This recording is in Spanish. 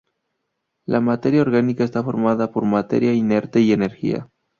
La materia orgánica está formada por materia inerte y energía.